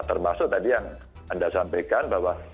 termasuk tadi yang anda sampaikan bahwa